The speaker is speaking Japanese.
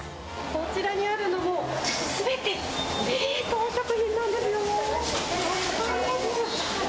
こちらにあるのもすべて冷凍食品なんです。